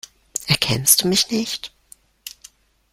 Erkennst du mich nicht?